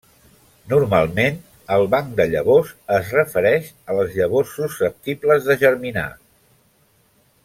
Normalment, el banc de llavors es refereix a les llavors susceptibles de germinar.